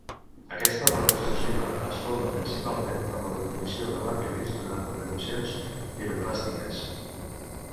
Aquesta roca extrusiva es forma principalment per la deposició de lapil·lis durant les erupcions piroclàstiques.